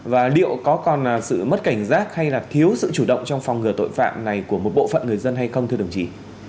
và liệu có còn sự mất cảnh giác hay là thiếu sự chủ động trong phòng ngừa tội phạm này của một bộ phận người dân hay không thưa đồng chí